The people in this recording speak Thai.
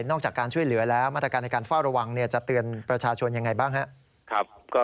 จากการช่วยเหลือแล้วมาตรการในการเฝ้าระวังจะเตือนประชาชนยังไงบ้างครับ